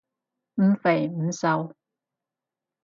唔肥唔瘦